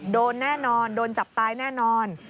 โดนแน่นอนโดนจับตายแน่นอน